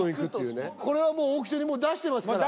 これはもうオークションに出してますから。